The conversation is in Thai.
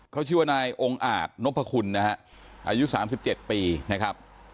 เขาชื่อว่านายองค์อาจนพคุณนะฮะอายุ๓๗ปีนะครับ